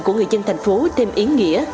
của người dân thành phố thêm ý nghĩa